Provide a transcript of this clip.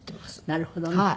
なるほどね。